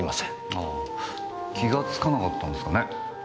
あぁ気がつかなかったんですかね？